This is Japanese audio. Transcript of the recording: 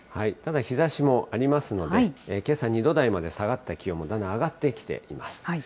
ただ、日ざしもありますので、けさ２度台まで下がった気温もだんだん上がってきています。